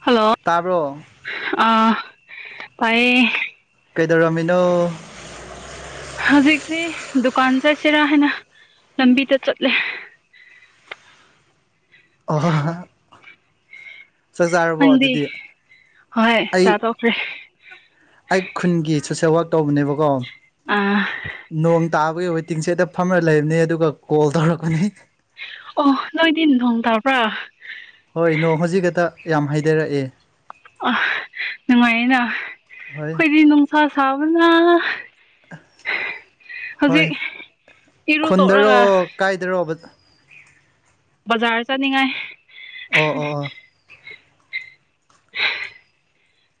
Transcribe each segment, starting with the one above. hello ꯇꯥꯕ꯭ꯔꯣ ꯑ ꯇꯥꯏꯌꯦ ꯀꯩꯗꯧꯔꯥꯝꯃꯤꯅꯣ ꯍꯧꯖꯤꯛꯁꯦ ꯗꯨꯀꯥꯟ ꯆꯠꯁꯤꯔꯥ ꯍꯥꯏꯅ ꯂꯝꯕꯤꯗ ꯆꯠꯂꯦ ꯑꯣꯍ ꯍꯥ ꯅꯪꯗꯤ ꯑꯗꯨꯗꯤ ꯍꯣꯏ ꯑꯩ ꯆꯥ ꯇꯣꯛꯈ꯭ꯔꯦ ꯑꯩ ꯈꯨꯟꯒꯤ ꯁꯣꯁꯦꯜ ꯋꯔꯛ ꯇꯧꯕꯅꯦꯕꯀꯣ ꯑꯥ ꯅꯣꯡ ꯇꯥꯕꯒꯤ ꯋꯦꯇꯤꯡꯁꯦꯠꯇ ꯐꯝꯔ ꯂꯩꯕꯅꯦ ꯑꯗꯨꯒ ꯀꯣꯜ ꯇꯧꯔꯛꯄꯅꯤ ꯑꯣ ꯅꯣꯏꯗꯤ ꯅꯣꯡ ꯇꯕ꯭ꯔꯥ ꯍꯣꯏ ꯅꯣꯡ ꯍꯧꯖꯤꯛꯀꯛꯇ ꯌꯥꯝ ꯍꯥꯏꯊꯔꯛꯑꯦ ꯑ ꯅꯨꯡꯉꯥꯏꯌꯦꯅ ꯍꯣꯏ ꯑꯩꯈꯣꯏꯗꯤ ꯅꯨꯡꯁꯥ ꯁꯥꯕꯅ ꯍꯣꯏ ꯍꯧꯖꯤꯛ ꯏꯔꯨ ꯇꯣꯛꯔꯒ ꯀꯥꯏꯗꯔꯣꯕ ꯕꯖꯥꯔ ꯆꯅꯤꯡꯉꯥꯏ ꯑꯣ ꯑꯣ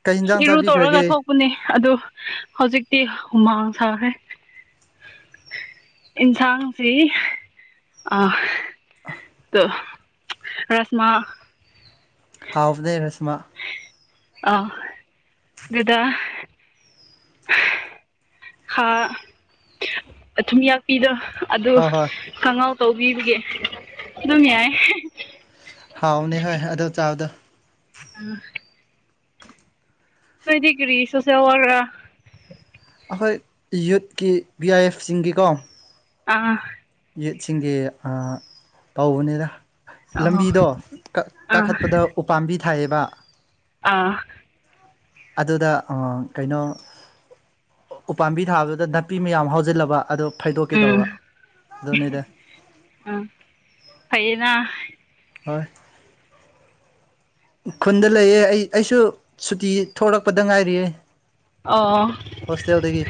ꯀꯩ ꯌꯦꯟꯖꯥꯡ ꯏꯔꯨ ꯇꯧꯔꯒ ꯆꯥꯕꯤꯈ꯭ꯔꯒꯦ ꯊꯣꯛ ꯑꯗꯨ ꯍꯧꯖꯤꯛꯇꯤ ꯍꯨꯃꯥꯡ ꯁꯥꯈ꯭ꯔꯦ ꯏꯟꯁꯥꯡꯁꯤ ꯑ ꯑ [unintelligible] ꯔꯥꯁꯃꯥ ꯍꯥꯎꯕꯅꯦ ꯔꯁꯃꯥ ꯑ ꯑꯗꯨꯗꯥ ꯍꯥ ꯑꯊꯨꯝ ꯌꯥꯛꯄꯤꯗꯣ ꯑꯗꯨ ꯍꯣꯏ ꯍꯣꯏ ꯀꯥꯡꯍꯧ ꯇꯧꯕꯤꯕꯒꯤ ꯑꯗꯨꯝ ꯌꯥꯏ ꯍꯥꯎꯅꯦ ꯍꯣꯏ ꯑꯗꯨ ꯆꯥꯕꯗꯣ ꯎꯝ ꯅꯣꯏꯗꯤ ꯀꯔꯤ ꯁꯣꯁꯦꯜ ꯋꯥꯒ꯭ꯔ ꯂ ꯑꯩꯈꯣꯏ ꯌꯨꯠꯀꯤ ꯄꯕꯤ ꯑꯥꯏ ꯑꯦꯐꯁꯤꯡꯒꯤꯀꯣ ꯑꯥ ꯌꯨꯠꯁꯤꯡꯒꯤ ꯇꯧꯕꯅꯤꯗ ꯑꯣ ꯂꯝꯕꯤꯗꯣ ꯑꯥ ꯀꯥꯈꯠꯄꯗ ꯎꯄꯥꯝꯕꯤ ꯊꯥꯏꯌꯦꯕ ꯑꯥ ꯑꯗꯨꯗ ꯀꯩꯅꯣ ꯎꯄꯥꯝꯕꯤ ꯊꯥꯕꯗꯨꯗ ꯅꯥꯄꯤ ꯃꯌꯥꯝ ꯍꯧꯖꯤꯜꯂꯕ ꯑꯗꯨ ꯐꯩꯗꯣꯛꯀꯦ ꯎꯝ ꯇꯧꯕ ꯑꯗꯨꯅꯤꯗ ꯎꯝ ꯐꯌꯦꯅꯥ ꯍꯣꯏ ꯈꯨꯟꯗ ꯂꯩꯌꯦ ꯑꯩ ꯑꯩꯁꯨ ꯁꯨꯇꯤ ꯊꯣꯛꯂꯛꯄꯗ ꯉꯥꯏꯔꯤꯑꯦ ꯑꯣ ꯍꯁ ꯌꯥꯦꯜꯗꯗꯒꯤ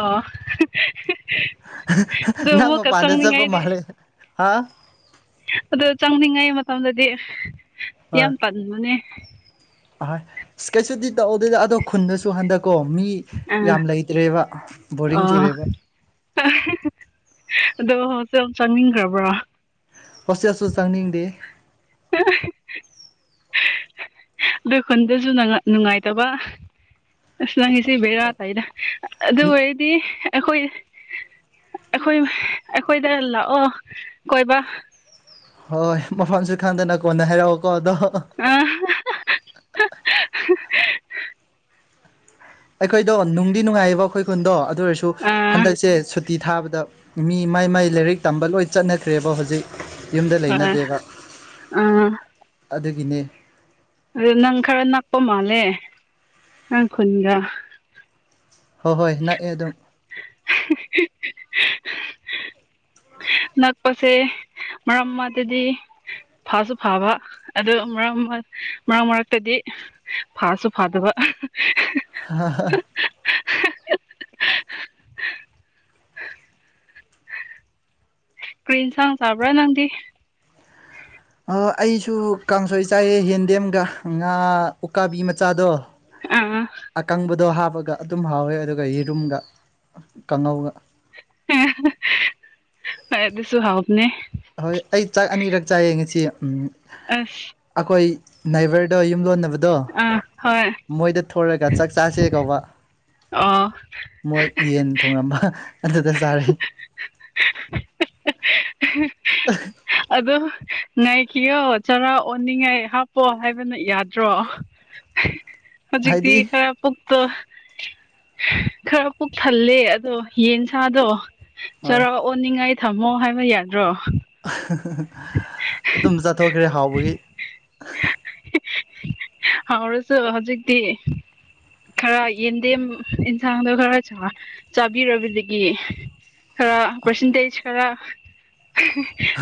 ꯑꯣ ꯑꯗꯨ ꯉ ꯃ ꯑꯃꯨꯛꯀ ꯄꯅꯦ ꯆꯄ ꯆꯪꯅꯤꯡꯉꯥꯏꯗꯤ ꯃꯥꯂꯦ ꯍꯥ ꯑꯗꯣ ꯆꯪꯅꯤꯡꯉꯩ ꯃꯇꯝꯗꯗꯤ ꯍꯣꯏ ꯌꯥꯝ ꯇꯟꯕꯅꯦ ꯑꯍꯣꯏ ꯏꯁ꯭ꯀꯦꯠꯁꯨꯗꯤ ꯇꯧꯑꯣꯗꯗ ꯑꯗꯣ ꯈꯨꯟꯗꯁꯨ ꯍꯟꯗꯛꯀꯣ ꯃꯤ ꯑꯥ ꯌꯥꯝ ꯂꯩꯇ꯭ꯔꯦꯕ ꯕꯣꯔꯤꯡ ꯑꯣ ꯆꯨꯔꯦꯕ ꯑꯗꯣ ꯍꯧꯁ ꯌꯥꯝ ꯆꯪꯅꯤꯡꯈ꯭ꯔꯕ꯭ꯔꯣ ꯍꯣꯁꯇꯦꯜꯁꯨ ꯆꯪꯅꯤꯡꯗꯦ [unintelligible] ꯑꯗꯨ ꯈꯨꯟꯗꯁꯨ ꯅꯨꯡꯉꯥꯏ ꯅꯨꯡꯉꯥꯏꯇꯕ ꯑꯁ ꯅꯪꯉꯁꯤ ꯕꯦꯔꯥ ꯇꯥꯏꯗ ꯑꯗꯨ ꯑꯣꯏꯔꯗꯤ ꯑꯩꯈꯣꯏ ꯑꯩꯈꯣꯏ ꯑꯩꯈꯣꯏꯗ ꯂꯥꯛꯑꯣ ꯀꯣꯏꯕ ꯍꯣꯏ ꯃꯐꯝꯁꯨ ꯈꯪꯗꯅ ꯀꯣꯟꯅ ꯍꯥꯏꯔꯛꯑꯣꯀꯣ ꯑꯗꯣ ꯑ ꯑꯩꯈꯣꯏꯗꯣ ꯅꯨꯡꯗꯤ ꯅꯨꯡꯉꯥꯏꯌꯦꯕ ꯑꯩꯈꯣꯏ ꯈꯨꯟꯗꯣ ꯑꯗꯨ ꯑꯣꯏꯔꯁꯨ ꯑꯥ ꯍꯟꯗꯛꯁꯦ ꯁꯨꯠ ꯇꯤ ꯊꯥꯕꯗ ꯃꯤ ꯃꯥꯏ ꯃꯥꯏ ꯂꯥꯏꯔꯤꯛ ꯇꯝꯕ ꯂꯣꯏ ꯆꯠꯅꯈ꯭ꯔꯦꯕ ꯍꯧꯖꯤꯛ ꯌꯨꯝꯗ ꯍꯣꯏ ꯂꯩꯅꯗꯦꯕ ꯑꯥ ꯑꯗꯨꯒꯤꯅꯦ ꯑꯗꯨ ꯅꯪ ꯈꯔ ꯅꯛꯄ ꯃꯥꯜꯂꯦ ꯅꯪ ꯈꯨꯟꯒ ꯍꯣꯏ ꯍꯣꯏ ꯅꯥꯛꯑꯦ ꯑꯗꯨꯝ [unintelligible] [unintelligible] ꯅꯛꯄꯁꯦ ꯃꯔꯛ ꯃꯔꯛ ꯇꯗꯤ ꯐꯥꯁꯨ ꯐꯥꯕ ꯑꯗꯨ ꯃꯔꯛ ꯃꯔꯛ ꯃꯔꯛꯇꯗꯤ ꯐꯥꯁꯨ ꯐꯥꯗꯕ [unintelligible] ꯀ꯭ꯔꯤ ꯏꯟꯁꯥꯡ ꯆꯥꯕ꯭ꯔꯥ ꯅꯪꯗꯤ ꯑꯥ ꯑꯩꯁꯨ ꯀꯥꯡꯁꯣꯏ ꯆꯥꯏꯑꯦ ꯌꯦꯟꯗꯦꯝꯒ ꯉꯥ ꯎꯀꯥꯕꯤ ꯃꯆꯥꯗꯣ ꯑꯥ ꯑꯀꯪꯕꯗꯣ ꯍꯥꯞꯄꯒ ꯑꯗꯨꯝ ꯍꯥꯎꯋꯦ ꯑꯗꯨꯒ ꯌꯦꯔꯨꯝꯒ ꯀꯥꯡꯉꯧꯒ ꯍꯣꯏ ꯑꯗꯨꯁꯨ ꯍꯥꯎꯕꯅꯦ ꯍꯣꯏ ꯑꯩ ꯆꯥꯛ ꯑꯅꯤꯔꯛ ꯆꯥꯏꯌꯦ ꯉꯁꯤ ꯎꯝ ꯑꯁ ꯑꯩꯈꯣꯏ ꯅꯥꯏꯕꯔꯗꯣ ꯌꯨꯝ ꯂꯣꯟꯅꯕ ꯑꯥ ꯍꯣꯏ ꯃꯣꯏꯗ ꯊꯣꯔꯒ ꯆꯥꯛ ꯆꯥꯁꯦ ꯀꯧꯕ ꯑꯣ ꯃꯣꯏ ꯌꯦꯟ ꯊꯣꯡꯉꯝꯕ ꯑꯗꯨꯗ ꯆꯥꯔꯦ [unintelligible] ꯑꯗꯣ ꯉꯥꯏꯈꯤꯌꯣ ꯆꯔꯥ ꯑꯣꯟꯅꯤꯡꯉꯥꯏ ꯍꯥꯞꯄꯣ ꯍꯥꯏꯕꯅ ꯌꯥꯗ꯭ꯔꯣ [unintelligible] ꯍꯧꯖꯤꯛꯇꯤ ꯈꯔ ꯄꯨꯛꯇꯣ ꯈꯔ ꯄꯨꯛ ꯊꯜꯂꯦ ꯑꯗꯣ ꯌꯦꯟ ꯁꯥꯗꯣ ꯍꯣꯏ ꯆꯔ ꯑꯣꯅꯤꯡꯉꯥꯏ ꯊꯝꯃꯣ ꯍꯥꯏꯕ ꯌꯥꯗ꯭ꯔꯣ ꯑꯗꯨꯝ ꯆꯊꯣꯛꯈ꯭ꯔꯦ ꯍꯥꯎꯕꯒꯤ ꯍꯥꯎꯔꯁꯨ ꯍꯧꯖꯤꯛꯇꯤ ꯈꯔ ꯌꯦꯟꯗꯦꯝ ꯏꯟꯁꯥꯡꯗꯣ ꯈꯔ ꯆꯥꯕꯤꯔꯕꯗꯒꯤ ꯈꯔ ꯄꯔꯁꯦꯟꯇꯦꯖ ꯈꯔ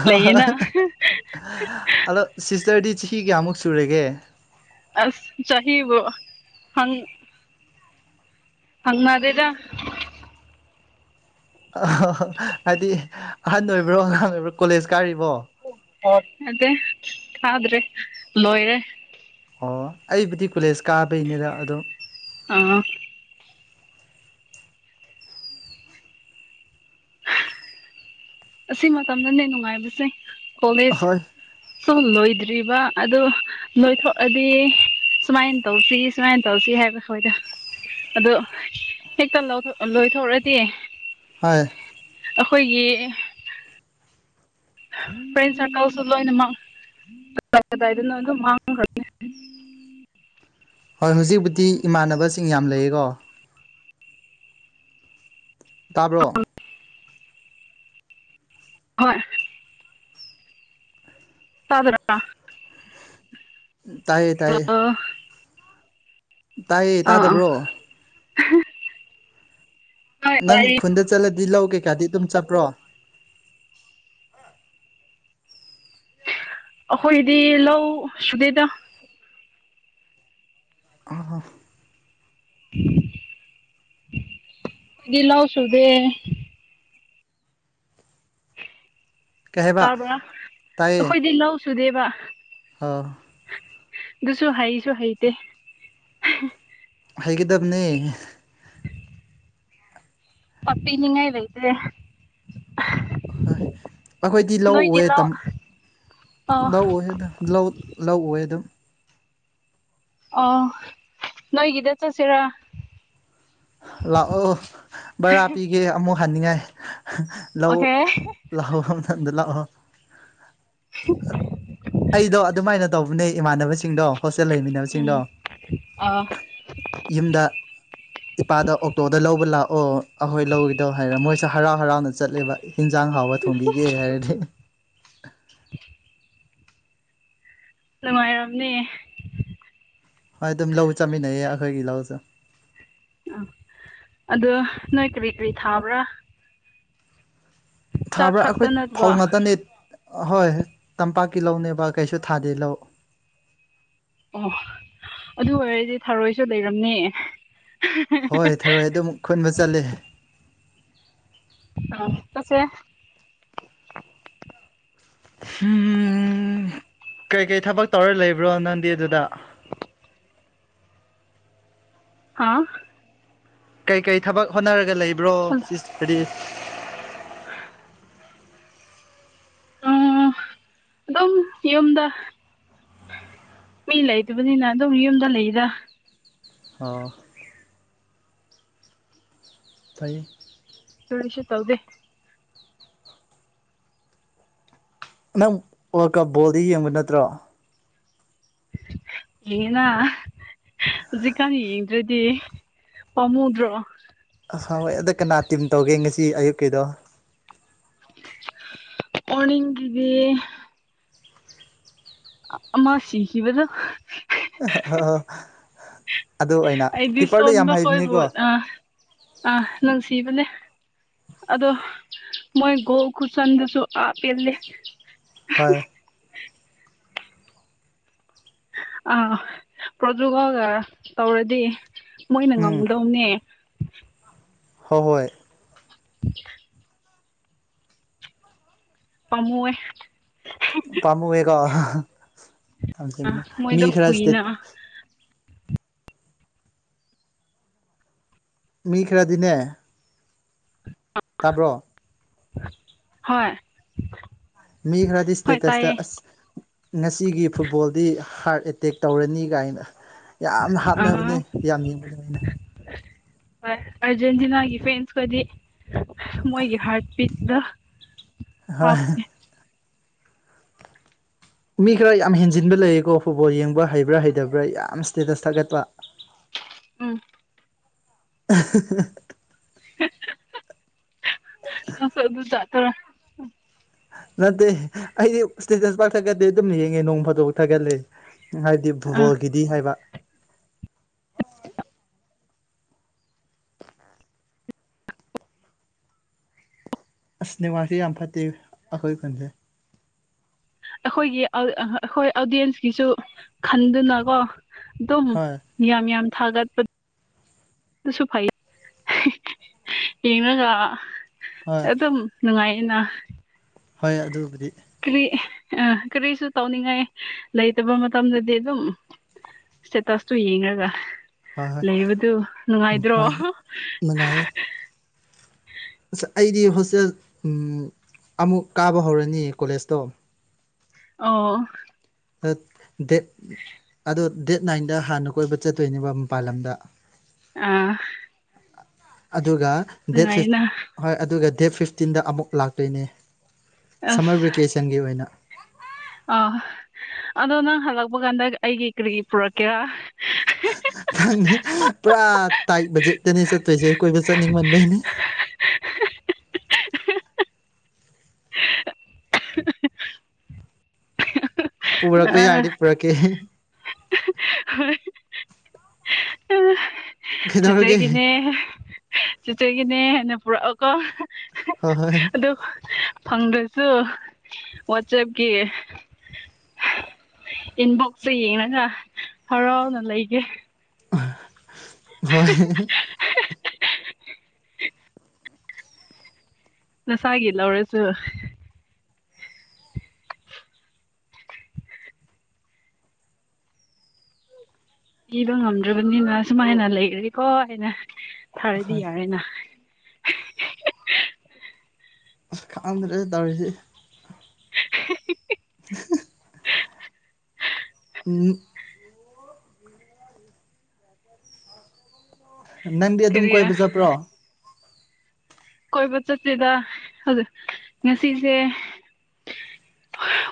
ꯂꯩꯌꯦꯅ ꯑꯗꯣ ꯁꯤꯁꯇꯔꯗꯤ ꯆꯍꯤ ꯀꯌꯥꯃꯨꯛ ꯁꯨꯔꯒꯦ ꯑꯁ ꯆꯍꯤꯕꯨ ꯍꯪ ꯍꯪꯅꯗꯦꯗ ꯑ ꯍꯥꯏꯗꯤ ꯑꯍꯟ ꯑꯣꯏꯕ꯭ꯔꯣ ꯑꯉꯥꯡ ꯑꯣꯏꯕ꯭ꯔꯣ ꯀꯣꯂꯦꯖ ꯀꯥꯔꯤꯕꯣ ꯅꯠꯇꯦ ꯀꯥꯗ꯭ꯔꯦ ꯂꯣꯏꯔꯦ ꯑꯣ ꯑꯩꯕꯨꯗꯤ ꯀꯣꯂꯦꯖ ꯀꯥꯕꯩꯅꯤꯗ ꯑꯗꯣ ꯑꯥ ꯑꯁꯤ ꯃꯇꯝꯗꯅꯦ ꯅꯨꯡꯉꯥꯏꯕꯁꯦ ꯀꯣꯂꯦꯖ ꯍꯣꯏ ꯁꯨꯝ ꯂꯣꯏꯗ꯭ꯔꯤꯕ ꯑꯗꯨ ꯅꯣꯏꯊꯣꯛꯑꯗꯤ ꯁꯨꯃꯥꯏꯅ ꯇꯧꯁꯤ ꯁꯨꯃꯥꯏꯅ ꯇꯧꯁꯤ ꯍꯥꯏꯕꯈꯣꯏꯗ ꯑꯗꯣ ꯍꯦꯛꯇ ꯂꯧꯊꯣ ꯂꯣꯏꯊꯣꯛꯑꯗꯤ ꯍꯣꯏ ꯑꯩꯈꯣꯏꯒꯤ ꯐ꯭ꯔꯦꯟ ꯁꯥꯔꯀꯜꯁꯨ ꯂꯣꯏꯅꯗꯥ ꯀꯗꯥꯏꯗꯅ ꯑꯗꯨꯝ ꯃꯥꯡꯈ꯭ꯔ ꯍꯣꯏ ꯍꯧꯖꯤꯛꯕꯨꯗꯤ ꯏꯃꯥꯟꯅꯕꯁꯤꯡ ꯌꯥꯝ ꯂꯩꯌꯦꯀꯣ ꯇꯥꯕ꯭ꯔꯣ ꯍꯣꯏ [unintelligible] ꯇꯥꯏꯌꯦ ꯇꯥꯏꯌꯦ ꯇꯥꯏꯌꯦ ꯑꯥ ꯑꯥ ꯇꯥꯗꯕ꯭ꯔꯣ ꯅꯣꯏ ꯅꯪ ꯈꯨꯟꯗ ꯆꯠꯂꯗꯤ ꯂꯧ ꯀꯩꯀꯥꯗꯤ ꯑꯗꯨꯝ ꯆꯠꯄ꯭ꯔꯣ ꯑꯩꯈꯣꯏꯗꯤ ꯂꯧ ꯁꯨꯗꯦꯗ [unintelligible] ꯑꯩ ꯂꯥꯎꯁꯨꯨꯗꯦ ꯀꯩ ꯍꯥꯏꯕ ꯇꯥꯕ꯭ꯔꯥ ꯑꯩꯈꯣꯏꯗꯤ ꯂꯧ ꯁꯨꯗꯦꯕ ꯑꯥ ꯑꯗꯨꯁꯨ ꯍꯩꯁꯨ ꯍꯩꯇꯦ ꯍꯩꯒꯗꯕꯅꯦ ꯄꯄꯤ ꯅꯤꯡꯉꯥꯏ ꯂꯩꯇꯔꯦ ꯍꯣꯏ ꯑꯩꯈꯣꯏꯗꯤ ꯂꯧ ꯎꯦ ꯑꯣ ꯂꯧꯎꯦꯗ ꯂꯧ ꯂꯧꯋꯦ ꯑꯗꯨꯝ ꯑꯣ ꯅꯣꯏꯒꯤꯗ ꯆꯠꯁꯤꯔꯥ ꯂꯥꯛꯑꯣ ꯕꯔꯥ ꯄꯤꯒꯦ ꯑꯃꯨꯛ ꯍꯅꯤꯡꯉꯥꯏ ꯂꯧ ꯑꯣꯀꯦ ꯂꯥꯛꯑꯣ ꯃꯊꯪꯗ ꯂꯥꯛꯑꯣ ꯑꯩꯗꯣ ꯑꯗꯨꯃꯥꯏꯅ ꯇꯧꯕꯅꯦ ꯏꯃꯥꯟꯅꯕꯁꯤꯡꯗꯣ ꯍꯣꯁꯇꯦꯜ ꯂꯩꯃꯤꯟꯅꯕꯁꯤꯡꯗꯣ ꯎꯝ ꯑꯥ ꯌꯨꯝꯗ ꯏꯄꯥꯗ ꯑꯣꯛꯇꯣꯗ ꯂꯧꯕ ꯂꯥꯛꯑꯣ ꯑꯩꯈꯣꯏ ꯂꯧꯒꯗꯧ ꯍꯥꯏꯔ ꯃꯣꯏꯁ ꯍꯔꯥꯎ ꯍꯔꯥꯎꯅ ꯆꯠꯂꯦꯕ ꯍꯟꯖꯥꯡ ꯍꯥꯎꯕ ꯊꯣꯡꯕꯤꯒꯦ ꯍꯥꯏꯔꯗꯤ ꯅꯨꯡꯉꯥꯏꯔꯝꯅꯦ ꯍꯣꯏ ꯑꯗꯨꯝ ꯂꯧ ꯆꯥꯃꯤꯟꯅꯩꯌꯦ ꯑꯩꯈꯣꯏꯒꯤ ꯂꯧꯁꯨ ꯑꯗꯣ ꯅꯣꯏ ꯀꯔꯤ ꯀꯔꯤ ꯊꯥꯕ꯭ꯔꯥ ꯆꯥꯛ ꯊꯥꯕ꯭ꯔꯥ ꯑꯩꯈꯣꯏ ꯈꯛꯇ ꯐꯧ ꯅꯠꯇꯕ ꯉꯥꯛꯇꯅꯦ ꯑꯍꯣꯏ ꯇꯝꯄꯥꯛꯀꯤ ꯂꯧꯅꯦꯕ ꯀꯩꯁꯨ ꯊꯥꯗꯦ ꯂꯧ ꯑꯣ ꯑꯗꯨ ꯑꯣꯏꯔꯗꯤ ꯊꯔꯣꯏꯁꯨ ꯂꯩꯔꯝꯅꯦ ꯍꯣꯏ ꯊꯧꯔꯣꯏ ꯑꯗꯨꯝ ꯈꯨꯟꯕ ꯆꯠꯂꯦ [unintelligible] ꯀꯁꯦ ꯎꯝ ꯀꯩꯀꯩ ꯊꯕꯛ ꯇꯧꯔ ꯂꯩꯕ꯭ꯔꯣ ꯅꯪꯗꯤ ꯑꯗꯨꯗ ꯍꯥꯥ ꯀꯩꯀꯩ ꯊꯕꯛ ꯍꯣꯠꯅꯔꯒ ꯂꯩꯕ꯭ꯔꯣ ꯎꯝ ꯁꯤ ꯍꯥꯗꯤ [inaudible] ꯎꯝ ꯑꯗꯨꯝ ꯌꯨꯝꯗ ꯃꯤ ꯂꯩꯇꯕꯅꯤꯅ ꯑꯗꯨꯝ ꯌꯨꯝꯗ ꯂꯩꯗ ꯑꯣ ꯇꯥꯏ ꯇꯨꯔꯁꯤ ꯇꯧꯗꯦ ꯅꯪ ꯋꯥꯜ ꯀꯞ ꯕꯣꯜꯗꯤ ꯌꯦꯡꯕ ꯅꯠꯇ꯭ꯔꯣ ꯌꯦꯉꯤꯅ ꯍꯧꯖꯤꯛꯀꯥꯟ ꯌꯦꯡꯗ꯭ꯔꯗꯤ ꯄꯥꯝꯃꯨꯗ꯭ꯔꯣ ꯑꯍ ꯍꯣꯏ ꯑꯗ ꯀꯅꯥ ꯇꯤꯝ ꯇꯧꯒꯦ ꯉꯁꯤ ꯑꯌꯨꯛꯀꯤꯗꯣ ꯃꯣꯔꯅꯤꯡꯒꯤꯗꯤ ꯑꯃ ꯁꯤꯈꯤꯕꯗꯨ ꯑꯗꯨ ꯑꯣꯏꯅ ꯑꯩꯗꯤ ꯀꯤꯄ꯭ꯔꯗꯣ ꯌꯥꯝ ꯍꯩꯕꯅꯤꯀꯣ ꯑꯥ ꯅꯨꯡꯁꯤꯕꯅꯦ ꯑꯗꯣ ꯃꯣꯏ ꯒꯣꯜ ꯈꯨꯆꯟꯗꯁꯨ ꯑꯥ ꯄꯦꯜꯂꯦ ꯍꯣꯏ ꯑꯥ ꯄ꯭ꯔꯣꯇꯨꯒꯜꯒ ꯇꯧꯔꯗꯤ ꯃꯣꯏꯅ ꯎꯝ ꯉꯝꯒꯗꯧꯅꯦ ꯍꯣ ꯍꯣꯏ [inaudible] ꯄꯃꯨꯋꯦ ꯄꯥꯃꯨꯌꯦꯀꯣ ꯃꯤ ꯃꯣꯏꯗꯣ ꯈꯔ ꯏꯁꯇꯤꯠ ꯀꯨꯏꯅ ꯃꯤ ꯈꯔꯗꯤꯅꯦ [inaudible] ꯇꯥꯕ꯭ꯔꯣ ꯍꯣꯏ ꯃꯤ ꯈꯔꯗꯤ ꯍꯣꯏ ꯏꯁꯇꯦꯇꯁꯇ ꯇꯥꯏꯌꯦ ꯉꯁꯤꯒꯤ ꯐꯨꯠꯕꯣꯜꯗꯤ ꯍꯥꯔꯠ ꯑꯦꯇꯦꯛ ꯇꯧꯔꯅꯤ ꯒꯥꯏꯅ ꯌꯥꯝ ꯍꯥꯠꯅꯕꯅꯦ ꯑꯥ ꯌꯥꯝ ꯌꯦꯡꯕ ꯗꯨꯃꯥꯏꯅ ꯑꯔꯖꯦꯟꯇꯤꯅꯥꯒꯤ ꯐꯦꯟꯁꯈꯣꯏꯗꯤ ꯃꯣꯏꯒꯤ ꯍꯥꯔꯠ ꯕꯤꯠꯗ ꯍꯣꯏ ꯃꯤ ꯈꯔ ꯌꯥꯝ ꯍꯦꯟꯖꯤꯟꯕ ꯂꯩꯌꯦꯀꯣ ꯐꯨꯠꯕꯣꯜ ꯌꯦꯡꯕ ꯍꯩꯕ꯭ꯔꯥ ꯍꯩꯇꯕ꯭ꯔꯥ ꯌꯥꯝ ꯏꯁꯇꯦꯇꯁ ꯊꯥꯒꯠꯄ ꯎꯝ [inaudible] ꯅꯪꯁ ꯑꯗꯨ ꯖꯠꯇꯔ ꯅꯠꯇꯦ ꯑꯩꯗꯤ ꯏꯁꯇꯦꯇꯁ ꯄꯥꯛ ꯊꯛꯀꯠꯇꯦ ꯑꯗꯨꯝ ꯌꯦꯡꯉꯦ ꯅꯣꯡ ꯐꯥꯗꯣꯛ ꯊꯥꯒꯠꯂꯦ ꯍꯥꯏ ꯗꯤ ꯑ ꯐꯨꯠꯕꯣꯜꯒꯤꯗꯤ ꯍꯥꯏꯕ ꯑꯁ ꯅꯦꯃꯥꯔꯁꯦ ꯌꯥꯝ ꯐꯠꯇꯦ ꯑꯩꯈꯣꯏ ꯈꯟꯁꯦ ꯑꯩꯈꯣꯏꯒꯤ ꯑꯩꯈꯣꯏ ꯑꯣꯗꯤꯌꯦꯟꯁꯀꯤꯁꯨ ꯈꯟꯗꯨꯅꯀꯣ ꯑꯗꯨꯝ ꯍꯣꯏ ꯌꯥꯝ ꯌꯥꯝ ꯊꯥꯒꯠꯄ ꯑꯗꯨꯁꯨ ꯐꯩ ꯌꯦꯅꯒ ꯍꯣꯏ ꯑꯗꯨꯝ ꯅꯨꯡꯉꯥꯏꯌꯦꯅ ꯍꯣꯏ ꯑꯗꯨꯕꯨꯗꯤ ꯀꯔꯤ ꯑ ꯀꯔꯤꯁꯨ ꯇꯧꯅꯤꯡꯉꯥꯏ ꯂꯩꯇꯕ ꯃꯇꯝꯗꯗꯤ ꯑꯗꯨꯝ ꯏꯁꯇꯦꯇꯁꯇꯣ ꯌꯦꯡꯉꯒ ꯍꯣꯏ ꯍꯣꯏ ꯂꯩꯕꯗꯨ ꯎꯝ ꯅꯨꯡꯉꯥꯏꯗ꯭ꯔꯣ ꯍꯣꯏ ꯅꯨꯡꯉꯥꯏꯌꯦ ꯑꯁ ꯑꯩꯗꯤ ꯍꯣꯁꯇꯦꯜ ꯑꯃꯨꯛ ꯀꯥꯕ ꯍꯧꯔꯅꯤ ꯀꯣꯂꯦꯖꯇꯣ ꯑꯣ [unintelligible] ꯑꯗꯣ ꯗꯦꯠ ꯅꯥꯏꯟꯗ ꯍꯥꯟꯅ ꯀꯣꯏꯕ ꯆꯠꯇꯣꯏꯅꯦꯕ ꯃꯄꯥꯟ ꯂꯝꯗ ꯑꯥ [inaudible] ꯑꯗꯨꯒ ꯗꯦꯠ ꯐꯤꯐ ꯅꯨꯡꯉꯥꯏꯅ ꯍꯣꯏ ꯑꯗꯨꯒ ꯗꯦꯠ ꯐꯤꯐꯇꯤꯟꯗ ꯑꯃꯨꯛ ꯂꯥꯛꯇꯣꯏꯅꯦ [inaudible] ꯁꯝꯃꯔ ꯕꯦꯀꯦꯁꯟꯒꯤ ꯑꯣꯏꯅ ꯑ ꯑꯗꯣ ꯅꯪ ꯍꯜꯂꯛꯄ ꯀꯥꯟꯗ ꯑꯩꯒꯤ ꯀꯔꯤ ꯄꯨꯔꯛꯀꯦꯔꯥ ꯈꯪꯗꯦ ꯄꯨꯔꯥ ꯇꯥꯏꯠ ꯕꯖꯦꯇꯅꯦ ꯆꯠꯇꯣꯏꯁꯦ ꯀꯣꯏꯕ ꯆꯠꯅꯤꯡꯃꯟꯕꯩꯅꯦ [inaudible] [unintelligible] ꯄꯨꯔꯛꯄ ꯌꯥꯔꯗꯤ ꯄꯨꯔꯛꯀꯦ ꯍꯣꯏ ꯀꯩꯗꯧꯔꯒꯦ ꯆꯤꯆꯩꯒꯤꯅꯦ ꯆꯤꯆꯩꯒꯤꯅꯦ ꯑꯅ ꯄꯨꯔꯛꯑꯀꯣ ꯍꯣꯏ ꯍꯣꯏ [unintelligible] ꯑꯗꯨ ꯐꯪꯗ꯭ꯔꯁꯨ ꯋꯥꯆꯦꯞꯀꯤ ꯏꯟꯕꯣꯛꯁꯁꯦ ꯌꯦꯡꯉꯒ ꯍꯔꯥꯎꯅ ꯂꯩꯒꯦ ꯍꯣꯏ ꯅꯁꯥꯒꯤ ꯂꯧꯔꯁꯨ ꯄꯤꯕ ꯉꯝꯗ꯭ꯔꯕꯅꯤꯅ ꯁꯨꯃꯥꯏꯅ ꯂꯩꯈ꯭ꯔꯦꯀꯣ ꯍꯥꯏꯅ ꯈꯥꯔꯗꯤ ꯍꯣꯏ ꯌꯥꯔꯦꯅ ꯑꯁ ꯈꯥꯡꯗ꯭ꯔꯦ ꯇꯧꯔꯤꯁꯤ [inaudible] ꯎ [unintelligible] ꯅꯪꯗꯤ ꯑꯗꯨꯝ ꯀꯔꯤꯔ ꯀꯣꯏꯕ ꯆꯠꯄ꯭ꯔꯣ ꯀꯣꯏꯕ ꯆꯠꯇꯦꯗ ꯉꯁꯤꯁꯦ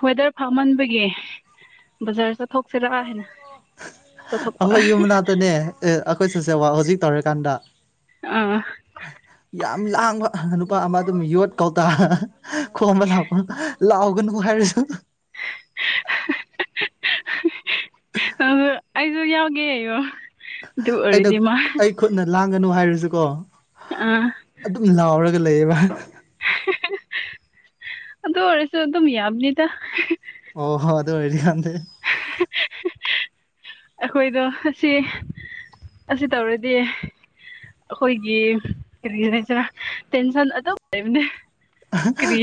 ꯋꯦꯗꯔ ꯐꯃꯟꯕꯒꯤ ꯕꯖꯥꯔ ꯆꯠꯊꯣꯛꯁꯤꯔꯥ ꯍꯥꯏꯅ ꯆꯠꯊꯣꯛꯄ ꯑꯩꯈꯣꯏ ꯌꯨꯝ ꯃꯥꯅꯥꯛꯇꯅꯦ ꯑꯩꯈꯣꯏ ꯁꯣꯁꯤꯌꯦꯜ ꯋꯥꯔꯛ ꯍꯧꯖꯤꯛ ꯇꯧꯔꯤꯀꯥꯟꯗ ꯑꯥ ꯌꯥꯝ ꯂꯥꯡꯕ ꯅꯨꯄꯥ ꯑꯃ ꯑꯗꯨꯝ ꯌꯣꯠ ꯀꯧꯇꯥ ꯈꯣꯝꯕ ꯂꯥꯛꯄ ꯂꯥꯎꯒꯅꯨꯕꯨ ꯍꯥꯏꯔꯁꯨ ꯎ [unintelligible] ꯑꯗꯨ ꯑꯩꯁꯨ ꯌꯥꯎꯒꯦ ꯑꯣ ꯑꯩꯅ ꯑꯩ ꯈꯨꯠꯅ ꯂꯥꯡꯒꯅꯨ ꯍꯥꯏꯔꯁꯨꯀꯣ ꯑꯥ ꯑꯗꯨꯝ ꯂꯥꯎꯔꯒ ꯂꯩꯌꯦꯕ ꯑꯗꯨ ꯑꯣꯏꯔꯁꯨ ꯑꯗꯨꯝ ꯌꯥꯕꯅꯤꯗ ꯑꯣ ꯍꯣ ꯑꯗꯨꯗ ꯃꯗꯤꯗꯦ [unintelligible] ꯑꯩꯈꯣꯏꯗꯣ ꯑꯁꯤ ꯑꯁꯤ ꯇꯧꯔꯗꯤ ꯑꯩꯈꯣꯏꯒꯤ ꯀꯔꯤꯒꯤ ꯍꯥꯏꯁꯔꯥ ꯇꯦꯟꯁꯟ ꯑꯗꯨ ꯂꯩꯕꯅꯦ ꯀꯔꯤ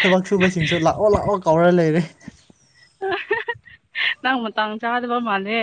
ꯊꯕꯛ ꯁꯨꯕꯁꯤꯡꯁꯨ [unintelligible] ꯂꯥꯛꯑꯣ ꯂꯥꯛꯑꯣ ꯀꯧꯔ ꯂꯩꯔꯦ [unintelligible] ꯅꯪ ꯃꯇꯥꯡ ꯆꯥꯗꯕ ꯃꯥꯜꯂꯦ